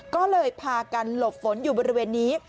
ก็เลยพากันหลบฝนอยู่บริเวณนี้